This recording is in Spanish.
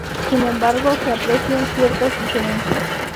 Sin embargo, se aprecian ciertas diferencias.